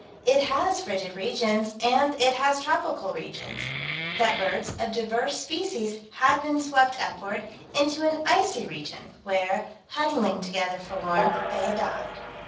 It has frigid regions and it has tropical regions that birds of diverse species had been swept upward, into an icy region, where, huddling together for warmth, they had died.